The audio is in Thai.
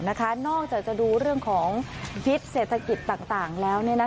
นอกจากจะดูเรื่องของพิษเศรษฐกิจต่างแล้ว